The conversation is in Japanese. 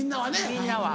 みんなは。